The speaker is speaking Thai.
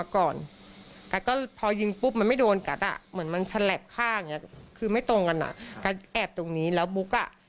คือไม่ตรงกันนะแอบตรงนี้แล้วบุ๊กอ่ะ